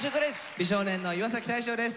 美少年の岩大昇です。